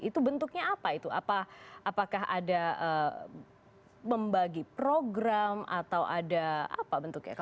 itu bentuknya apa itu apakah ada membagi program atau ada apa bentuknya